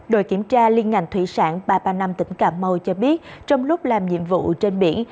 đội kiểm tra liên ngành thủy sản ba trăm ba mươi năm tỉnh cà mau cho biết trong lúc làm nhiệm vụ trên biển